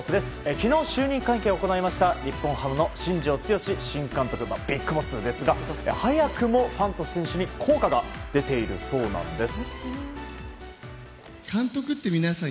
昨日、就任会見を行いました日本ハムの新庄剛志新監督ビッグボスですが早くもファンと選手に効果が出ているそうなんです。